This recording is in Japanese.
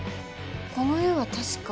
この絵は確か。